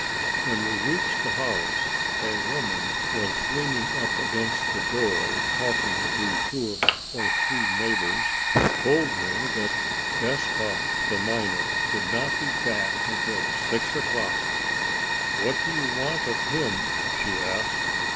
When we reached the house, a woman who was leaning up against the door talking to two or three neighbors told me that Gaspard, the miner, would not be back until six o'clock. "What do you want of him?" she asked.